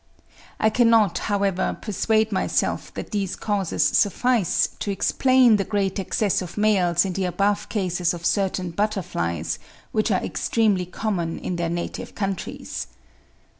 I cannot, however, persuade myself that these causes suffice to explain the great excess of males, in the above cases of certain butterflies which are extremely common in their native countries.